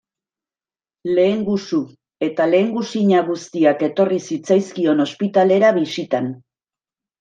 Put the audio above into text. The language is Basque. Lehengusu eta lehengusina guztiak etorri zitzaizkion ospitalera bisitan.